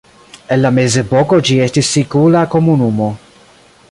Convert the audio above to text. En la mezepoko ĝi estis sikula komunumo.